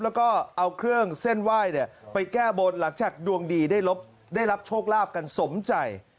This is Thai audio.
แล้วก็เอาเครื่องเส้นไหว้ไปแก้บนหลังจากดวงดีได้รับโชคลาภกันสมใจ